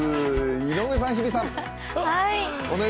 井上さん、日比さん。